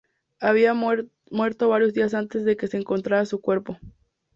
Había muerto varios días antes de que se encontrara su cuerpo.